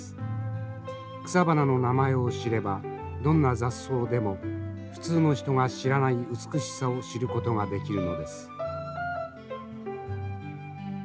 草花の名前を知ればどんな雑草でも普通の人が知らない美しさを知ることができるのです」。